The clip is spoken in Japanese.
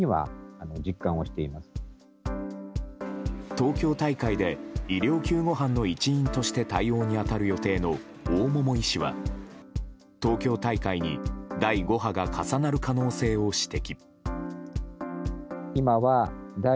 東京大会で医療救護班の一員として対応に当たる予定の大桃医師は東京大会に第５波が重なる可能性を指摘。